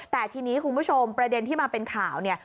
แต่ทีนี้คุณผู้ชมประเด็นที่มาเป็นข่าวเนี่ย